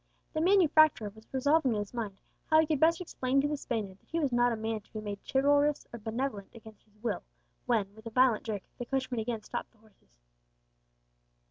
The manufacturer was revolving in his mind how he could best explain to the Spaniard that he was not a man to be made chivalrous or benevolent against his will, when, with a violent jerk, the coachman again stopped the horses.